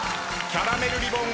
キャラメルリボン。